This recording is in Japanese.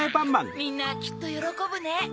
みんなきっとよろこぶね。